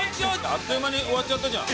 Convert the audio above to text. あっという間に終わっちゃったじゃん。